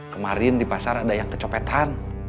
kemarin di pasar ada yang kecopetan